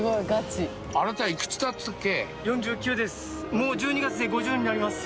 もう１２月で５０になります。